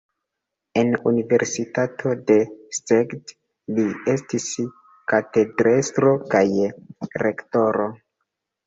En universitato de Szeged li estis katedrestro kaj rektoro.